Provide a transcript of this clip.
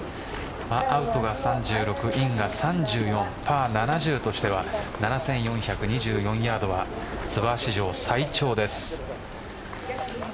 アウトが３６インが３４パー７０としては７４２４ヤードはツアー史上最長です。